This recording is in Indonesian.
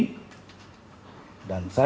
maka saya berpedoman kepada analisa tadi